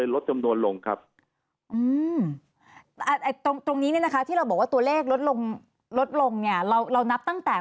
รถลงเนี่ยเรานับตั้งแต่